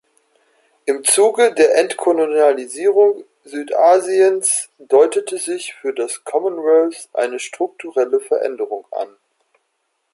Im Zuge der Entkolonialisierung Südasiens deutete sich für das Commonwealth eine strukturelle Veränderung an.